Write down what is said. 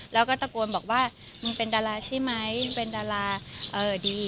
แล้วก็ตะโกนบอกว่ามึงเป็นดาราใช่ไหมมึงเป็นดาราดี